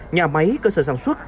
nhà máy cơ sở sản xuất